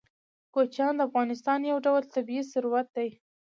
کوچیان د افغانستان یو ډول طبعي ثروت دی.